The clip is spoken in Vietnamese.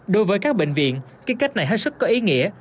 đối với các bệnh viện cái cách này hết sức có ý nghĩa